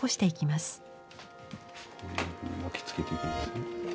まきつけていきます。